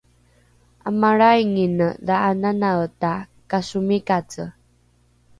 ’amalraingine dha’ananaeta kaasomikace